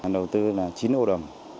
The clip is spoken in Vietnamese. đầu tư là chín hộ đầm